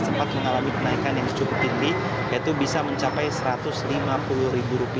sempat mengalami kenaikan yang cukup tinggi yaitu bisa mencapai rp satu ratus lima puluh